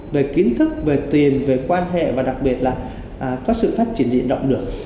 về kiến thức về tiền về quan hệ và đặc biệt là có sự phát triển diện động lượng